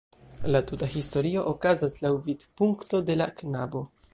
La tuta historio okazas laŭ vidpunkto de la knabo.